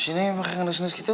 sini pake ngerus ngerus gitu